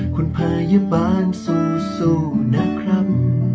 คุณพยาบาลสู้นะครับ